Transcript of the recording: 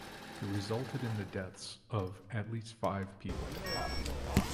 It resulted in the deaths of at least five people.